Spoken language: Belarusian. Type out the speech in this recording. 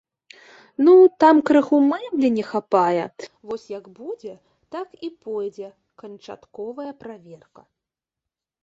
Ну, там крыху мэблі не хапае, вось як будзе, так і пойдзе канчатковая праверка.